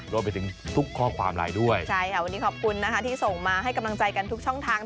รวมไปถึงทุกข้อความไลน์ด้วยใช่ค่ะวันนี้ขอบคุณนะคะที่ส่งมาให้กำลังใจกันทุกช่องทาง